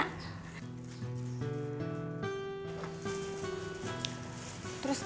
bukan urusan lu